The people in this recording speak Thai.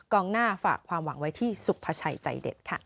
หน้าฝากความหวังไว้ที่สุภาชัยใจเด็ดค่ะ